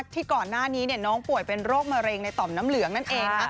ที่ก่อนหน้านี้น้องป่วยเป็นโรคมะเร็งในต่อมน้ำเหลืองนั่นเอง